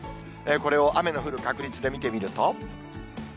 これを雨の降る確率で見てみると。